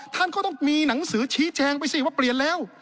ท่านก็ต้องมีหนังสือชี้แจงไปสิว่าเปลี่ยนแล้ว